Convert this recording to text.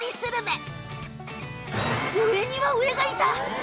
上には上がいた！